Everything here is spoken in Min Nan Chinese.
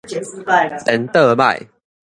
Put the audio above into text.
顛倒䆀